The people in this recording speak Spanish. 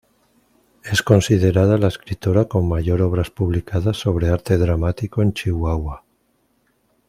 Es considerada la escritora con mayor obras publicadas sobre arte dramático en Chihuahua.